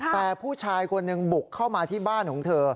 แต่ผู้ชายคนหนึ่งบุกเข้ามาที่บ้านของเธอ